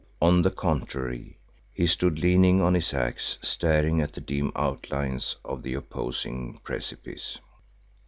On the contrary, he stood leaning on his axe staring at the dim outlines of the opposing precipice.